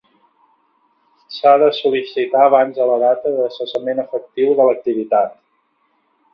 S'ha de sol·licitar abans de la data de cessament efectiu de l'activitat.